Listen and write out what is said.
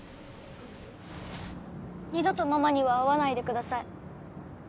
二度とママには会わないでください